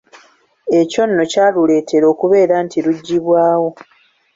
Ekyo nno kyaluleetera okubeera nti lugyibwawo.